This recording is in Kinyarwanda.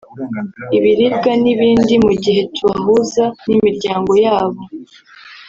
ibiribwa n’ibindi mu gihe tubahuza n’imiryango ya bo